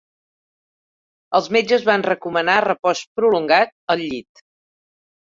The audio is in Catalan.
Els metges van recomanar repòs prolongat al llit.